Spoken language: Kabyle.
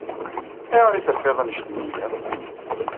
Ayɣer ay terfiḍ anect-nni akk?